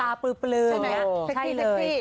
ตาปลือใช่ไหมใช่เลย